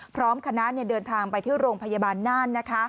พร้อมคณะเดินทางไปที่โรงพยาบาลน่าน